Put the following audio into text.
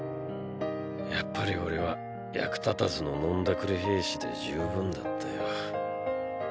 やっぱり俺は役立たずの飲んだくれ兵士で十分だったよ。